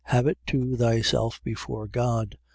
Have it to thyself before God.